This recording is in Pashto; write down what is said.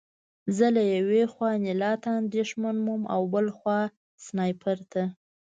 زه له یوې خوا انیلا ته اندېښمن وم او بل خوا سنایپر ته